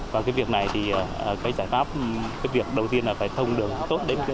và cái việc này thì cái giải pháp cái việc đầu tiên là phải thông đường tốt đến